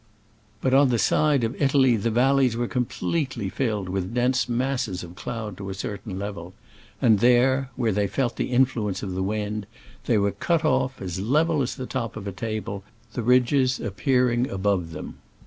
But on the side of Italy the valleys were completely filled with dense masses of cloud to a certain level ; and there — where they felt the influence of the wind — they were cut off as level as the top of a table, the ridges appearing above them.